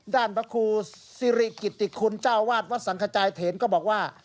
พระครูสิริกิติคุณเจ้าวาดวัดสังขจายเถนก็บอกว่า